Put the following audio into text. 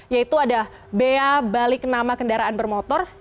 yaitu ada bea balik nama kendaraan bermotor